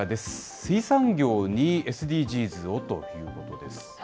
水産業にＳＤＧｓをということです。